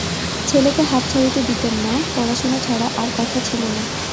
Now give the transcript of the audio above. ছেলেকে হাঁপ ছাড়িতে দিতেন না, পড়াশুনা ছাড়া আর কথা ছিল না।